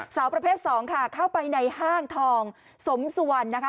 สาวประเภทสองค่ะเข้าไปในห้างทองสมสุวรรณนะคะ